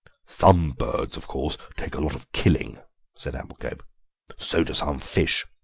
"Some birds, of course, take a lot of killing," said Amblecope; "so do some fish.